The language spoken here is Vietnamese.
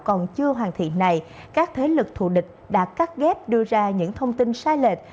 còn chưa hoàn thiện này các thế lực thù địch đã cắt ghép đưa ra những thông tin sai lệch